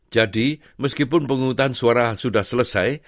jadi meskipun pemungutan suara sudah selesai